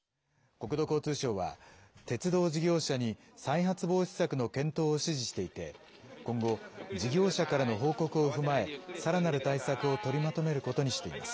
国土交通省は、鉄道事業者に再発防止策の検討を指示していて、今後、事業者からの報告を踏まえ、さらなる対策を取りまとめることにしています。